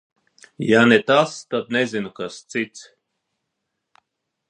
Ja ne tas, tad nezinu, kas cits.